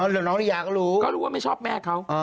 อ๋อแล้วน้องลียาก็รู้ก็รู้ว่าไม่ชอบแม่เขา